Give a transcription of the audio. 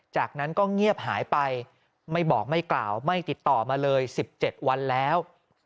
จากนั้นก็เงียบหายไปไม่บอกไม่กล่าวไม่ติดต่อมาเลย๑๗วันแล้ว